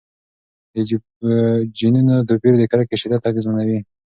د جینونو توپیر د کرکې شدت اغېزمنوي.